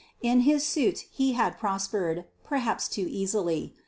In his suit he had prospered perhaps too easily.